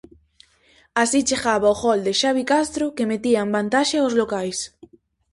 Así chegaba o gol de Xabi Castro que metía en vantaxe aos locais.